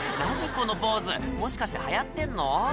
このポーズもしかして流行ってんの？